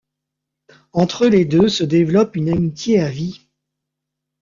Entre les deux se développe une amitié à vie.